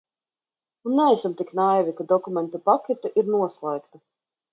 Un neesam tik naivi, ka dokumentu pakete ir noslēgta.